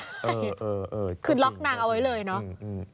ใช่คือล็อกนางเอาไว้เลยเนาะ